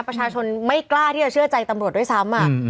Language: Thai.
ประชาชนไม่กล้าที่จะเชื่อใจตำรวจด้วยซ้ำ